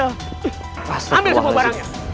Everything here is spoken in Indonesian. ambil semua barangnya